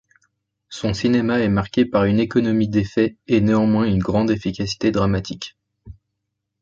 Son cinéma est marqué par une économie d'effet, et néanmoins une grande efficacité dramatique.